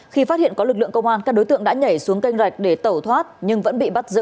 khi phát hiện có lực lượng công an các đối tượng đã nhảy xuống canh rạch để tẩu thoát nhưng vẫn bị bắt giữ